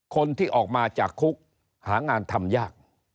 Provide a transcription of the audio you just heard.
คนที่ออกมาจากคุกหางานทำยาก